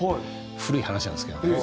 古い話なんですけどね。